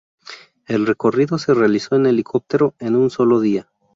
El recorrido se realizó en helicóptero en un solo día.